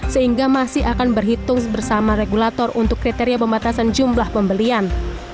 sehingga masih akan berhitung bersama regulator untuk kriteria pembatasan jumlah pembelian